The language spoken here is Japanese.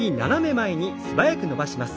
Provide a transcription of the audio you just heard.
腕は素早く伸ばします。